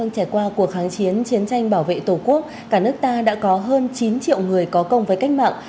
trải qua cuộc kháng chiến chiến tranh bảo vệ tổ quốc cả nước ta đã có hơn chín triệu người có công với cách mạng